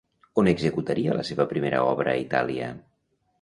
On executaria la seva primera obra a Itàlia?